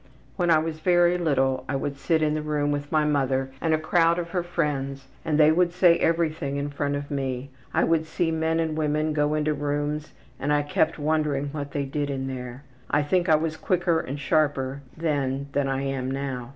When I was very little I would sit in a room with my mother and a crowd of her friends and they would say everything in front of me. I would see men and women go into rooms and I kept wondering what they did in there. I think I was quicker and sharper then than I am now.